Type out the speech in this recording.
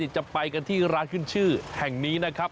จะไปกันที่ร้านขึ้นชื่อแห่งนี้นะครับ